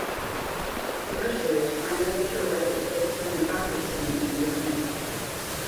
Mercer is primarily a writer focused on the gothic scene and its music.